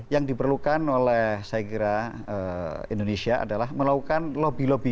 yang diperlukan oleh saya kira indonesia adalah melakukan lobby lobby